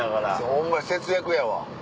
ホンマに節約やわ。